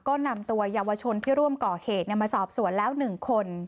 ก็นำตัวยาวชนที่ร่วมก่อเขตเนี้ยมาสอบสวนแล้วหนึ่งคน